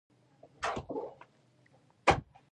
په افغانستان کې دښتې د خلکو د اعتقاداتو سره تړاو لري.